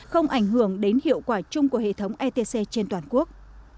không ảnh hưởng đến hiệu quả chung của hệ thống etc trên toàn quốc